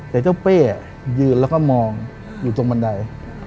แต่เจ้าเป้ยืนแล้วก็มองอยู่ตรงบันได